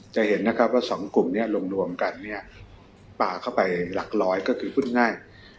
จะเห็นนะครับว่าสองกลุ่มนี้รวมกันเนี่ยป่าเข้าไปหลักร้อยก็คือพูดง่าย